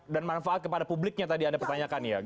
dan manfaat kepada publiknya tadi anda pertanyakan ya